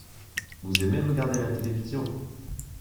Vous aimez regarder la télévision ?